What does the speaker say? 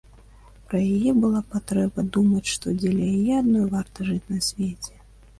Пра яе была патрэба думаць, што дзеля яе адной варта жыць на свеце.